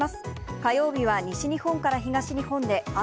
火曜日は西日本から東日本で雨。